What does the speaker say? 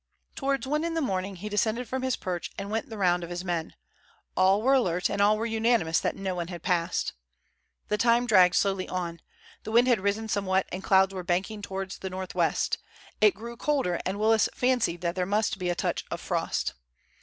Towards one in the morning he descended from his perch and went the round of his men. All were alert, and all were unanimous that no one had passed. The time dragged slowly on. The wind had risen somewhat and clouds were banking towards the north west. It grew colder, and Willis fancied there must be a touch of frost.